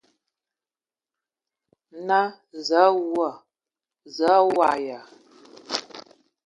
Naa: Zǝə a wu! Zǝə a waag ya ?